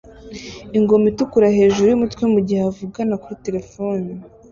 ingoma itukura hejuru yumutwe mugihe avugana kuri terefone